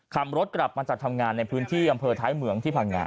ขับรถกลับมาจากทำงานในพื้นที่อำเภอท้ายเมืองที่พังงา